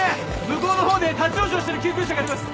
向こうの方で立ち往生してる救急車があります。